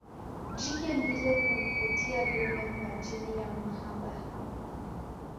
Jike ndilo humvutia dume kwaajili ya mahaba